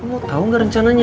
lo mau tau gak rencananya